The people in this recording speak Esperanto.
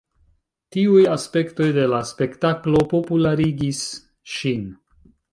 Tiuj aspektoj de la spektaklo popularigis ŝin.